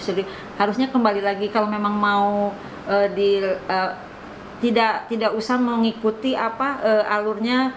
ya dienolkan lagi lah gitu